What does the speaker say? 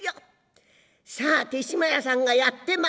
さあ豊島屋さんがやって参りました。